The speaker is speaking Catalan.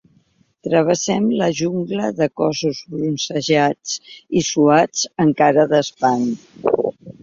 Travessem la jungla de cossos bronzejats i suats amb cara d'espant.